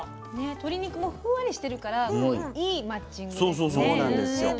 鶏肉もふんわりしてるからこういいマッチングですね。